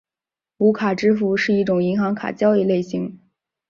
无卡支付是一种银行卡交易类型。